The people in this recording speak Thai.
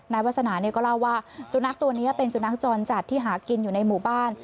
วาสนาก็เล่าว่าสุนัขตัวนี้เป็นสุนัขจรจัดที่หากินอยู่ในหมู่บ้าน